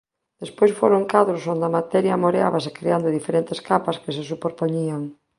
Despois foron cadros onde a materia amoreábase creando diferentes capas que se superpoñían.